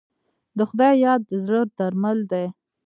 د خدای یاد د زړه درمل دی.